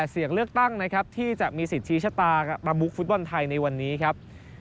เสียงเลือกตั้งนะครับที่จะมีสิทธิชะตากับมุกฟุตบอลไทยในวันนี้ครับ